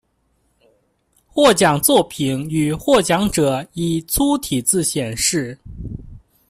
获奖作品与获奖者以粗体字显示。